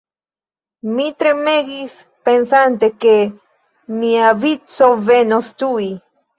Mi tremegis pensante, ke mia vico venos tuj.